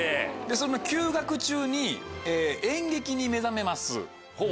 その休学中に演劇に目覚めます。